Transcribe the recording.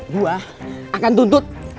gue akan tuntut